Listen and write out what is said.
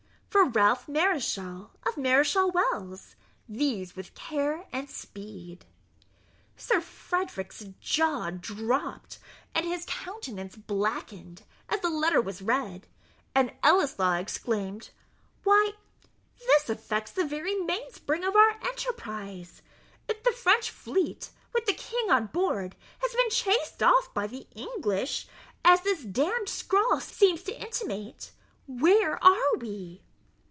FOR RALPH MARESCHAL, OF MARESCHAL WELLS THESE WITH CARE AND SPEED. Sir Frederick's jaw dropped, and his countenance blackened, as the letter was read, and Ellieslaw exclaimed, "Why, this affects the very mainspring of our enterprise. If the French fleet, with the king on board, has been chased off by the English, as this d d scrawl seems to intimate, where are we?"